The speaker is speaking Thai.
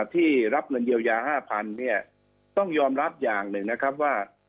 ที่รับเงินเยียวยา๕๐๐เนี่ยต้องยอมรับอย่างหนึ่งนะครับว่า